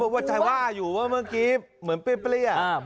เออว่าใจว่าอยู่ว่าเมื่อกี้เหมือนเปรี้ยวเปรี้ยว